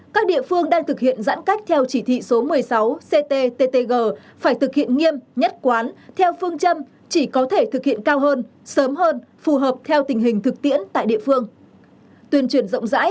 các địa phương đang thực hiện giãn cách theo chỉ thị số một mươi sáu cttg phải thực hiện nghiêm nhất quán theo phương châm chỉ có thể thực hiện cao hơn sớm hơn phù hợp theo tình hình thực tiễn tại địa phương